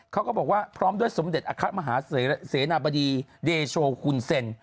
เขาก็บอกว่าพร้อมด้วยสมเด็จอคมหาเสนาบดีเดโชหุ่นเซ็น